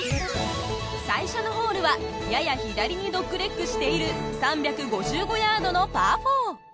最初のホールはやや左にドッグレッグしている３５５ヤードのパー４。